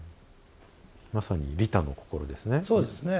まさに利他の心ですね。